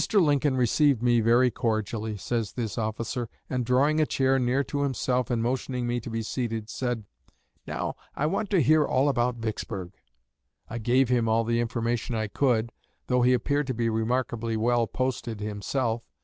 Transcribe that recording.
Lincoln received me very cordially," says this officer, "and drawing a chair near to himself and motioning me to be seated said, 'Now I want to hear all about Vicksburg.' I gave him all the information I could, though he appeared to be remarkably well posted himself.